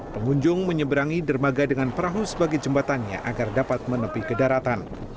pengunjung menyeberangi dermaga dengan perahu sebagai jembatannya agar dapat menepi ke daratan